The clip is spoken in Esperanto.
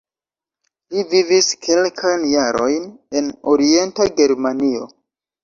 Li vivis kelkajn jarojn en Orienta Germanio.